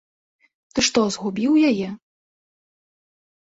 Ты што, згубіў яе?